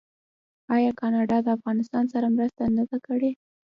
آیا کاناډا د افغانستان سره مرسته نه ده کړې؟